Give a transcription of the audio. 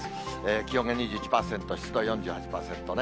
気温が２１度、湿度４８％ね。